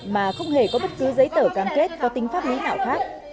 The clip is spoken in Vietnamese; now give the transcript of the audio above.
mà không hề có bất cứ giấy tờ cam kết có tính pháp lý nào khác